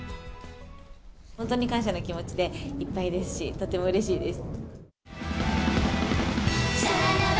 本当に感謝の気持ちでいっぱいですし、とてもうれしいです。